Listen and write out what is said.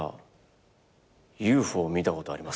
「ＵＦＯを見たことありますか？」